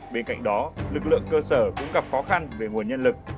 bên cạnh đó lực lượng cơ sở cũng gặp khó khăn về nguồn nhân lực